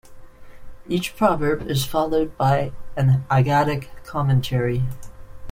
Each proverb is followed by an Haggadic commentary.